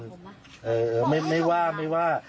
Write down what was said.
ผมไม่รู้อะไรเลย